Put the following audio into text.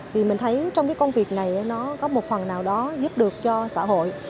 thì mình thấy trong cái công việc này nó có một phần nào đó giúp được cho xã hội